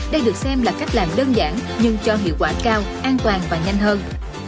đây được xem là cách làm đơn giản nhưng cho hiệu quả cao an toàn và nhanh hơn